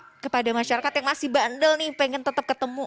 saya kepada masyarakat yang masih bandel nih pengen tetap ketemu